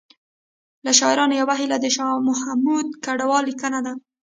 له شاعرانو یوه هیله د شاه محمود کډوال لیکنه ده